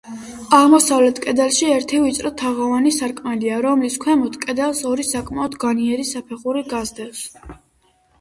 აღმოსავლეთ კედელში ერთი ვიწრო თაღოვანი სარკმელია, რომლის ქვემოთ, კედელს, ორი საკმაოდ განიერი საფეხური გასდევს.